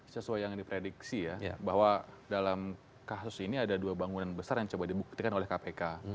sesuai yang diprediksi ya bahwa dalam kasus ini ada dua bangunan besar yang coba dibuktikan oleh kpk